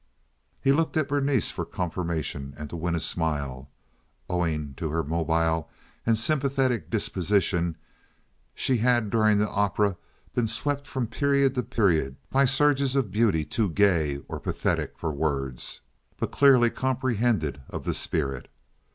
He looked at Berenice for confirmation and to win a smile. Owing to her mobile and sympathetic disposition, she had during the opera been swept from period to period by surges of beauty too gay or pathetic for words, but clearly comprehended of the spirit.